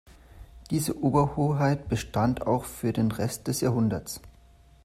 Diese Oberhoheit bestand auch für den Rest des Jahrhunderts.